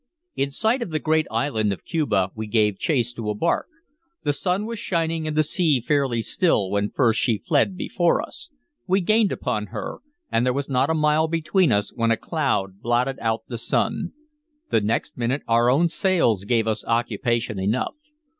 In sight of the great island of Cuba we gave chase to a bark. The sun was shining and the sea fairly still when first she fled before us; we gained upon her, and there was not a mile between us when a cloud blotted out the sun. The next minute our own sails gave us occupation enough.